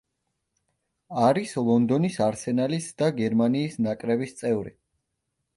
არის ლონდონის „არსენალის“ და გერმანიის ნაკრების წევრი.